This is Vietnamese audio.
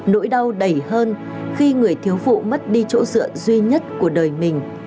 nỗi đau đầy hơn khi người thiếu vụ mất đi chỗ dựa duy nhất của đời mình